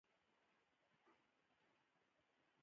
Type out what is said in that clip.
دلته د وینزیانو یو ښار رامنځته شو.